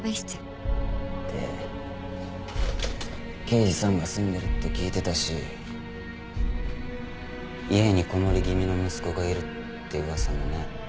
で刑事さんが住んでるって聞いてたし家にこもり気味の息子がいるって噂もね。